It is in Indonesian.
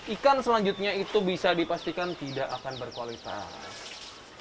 ikan selanjutnya itu bisa dipastikan tidak akan berkualitas